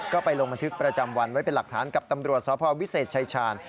ก็ไปลงบันทึกประจำวันไว้เป็นหลักฐานกับตำรวจสพวิเศษชายชาญ